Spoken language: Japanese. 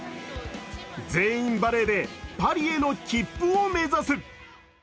全員バレーでパリへの切符を目指す。